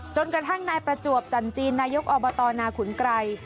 จนกระทั่งนายประจวบจันจีนนายกอบตนาขุนไกร